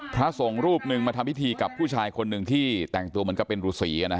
พระสงฆ์รูปหนึ่งมาทำพิธีกับผู้ชายคนหนึ่งที่แต่งตัวเหมือนกับเป็นรูสี